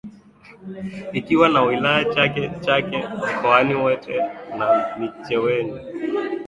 Ikiwa na wilaya za Chake Chake mkoani wete na micheweni